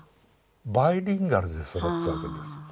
バイリンガルで育つわけです。